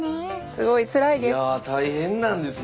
すごいつらいです。